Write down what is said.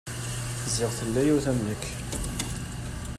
Ziɣ tella yiwet am nekk.